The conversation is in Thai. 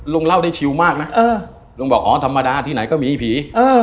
เล่าได้ชิวมากนะลุงบอกอ๋อธรรมดาที่ไหนก็มีผี